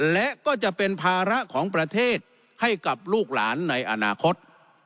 และก็จะเป็นภาระของประเทศให้กับลูกหลานในอนาคต